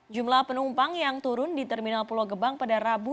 jumlah penumpang yang turun di terminal pulau gebang pada rabu